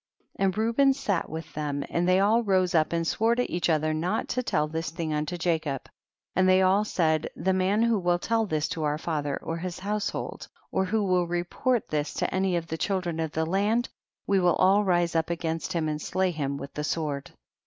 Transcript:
7. And Reuben sat with them, and they all rose up and swore to each other not to tell this thing unto Jacob, and they all said, the man who will tell this to our father or his household, or who will report this to any of the children of the land, we will all rise up against him and slay him w ith the sword, 8.